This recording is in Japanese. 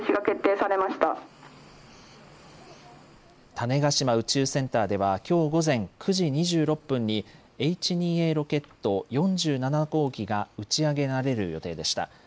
種子島宇宙センターではきょう午前９時２６分にＨ２Ａロケット４７号機が打ち上げられる予定でした。